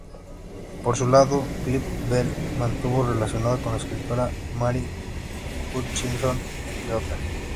Por su lado, Clive Bell mantuvo relaciones con la escritora Mary Hutchinson, entre otras.